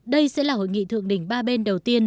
đây sẽ là hội nghị thượng đỉnh ba bên đầu tiên